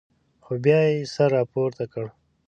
خو بیا یې سر راپورته کړ.